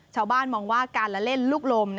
ชาวบ้านมองว่าการละเล่นลูกลม